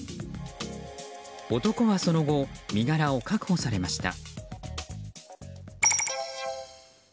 男はその後身柄を確保されました。